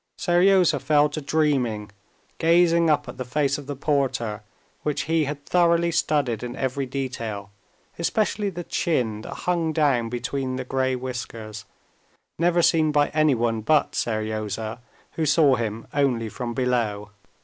Seryozha fell to dreaming, gazing up at the face of the porter, which he had thoroughly studied in every detail, especially the chin that hung down between the gray whiskers, never seen by anyone but Seryozha, who saw him only from below.